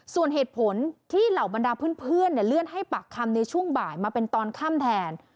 ส่วนเหตุผลที่เหล่าบรรดาเพื่อนเลื่อนให้ปากคำในช่วงบ่ายมาเป็นตอนค่ำแทน